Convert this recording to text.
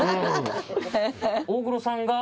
大黒さんが。